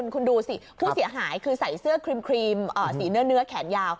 คุณดูสิผู้เสียหายคือใส่เสื้อครีมสีเนื้อแขนยาว